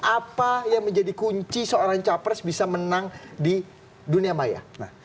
apa yang menjadi kunci seorang capres bisa menang di dunia maya